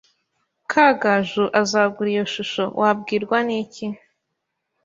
Kagaju azagura iyo shusho." "Wabwirwa n'iki?"